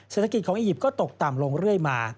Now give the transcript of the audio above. เศรษฐกิจของอียิปต์ก็ตกต่ำลงเรื่อยมา